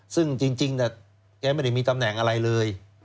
ซึ่งจริงแกไม่ได้มีตำแหน่งอะไรเลย